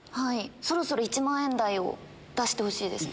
そろそろ１万円台を出してほしいです。